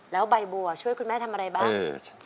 แล้วน้องใบบัวร้องได้หรือว่าร้องผิดครับ